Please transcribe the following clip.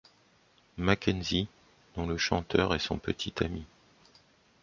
Mackenzie, dont le chanteur est son petit ami.